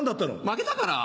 負けたから。